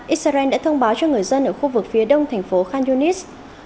israel đã thông báo cho người dân ở khu vực phía đông thành phố khan yunis